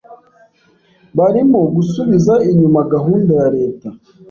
barimo gusubiza inyuma gahunda ya Leta